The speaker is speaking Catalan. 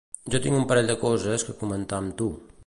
Jo tinc un parell de coses que comentar amb tu.